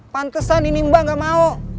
pantesan ini mbak gak mau